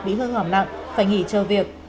bị hơi ngỏm nặng phải nghỉ chờ việc